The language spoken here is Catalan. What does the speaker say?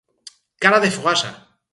Cara de fogassa.